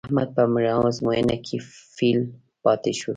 احمد په ازموینه کې فېل پاتې شو.